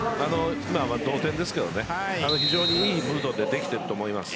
今は同点ですけど非常に良いムードでできていると思います。